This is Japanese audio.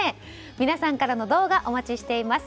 皆さんから動画お待ちしています。